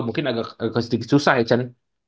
mungkin agak susah ya chen